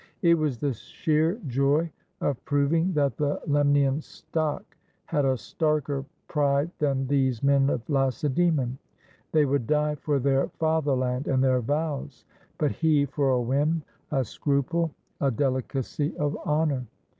It was the sheer joy of proving that the Lemnian stock had a starker pride than these men of Lacedaemon. They would die for their father land and their vows, but he, for a whim, a scruple, a delicacy of honor.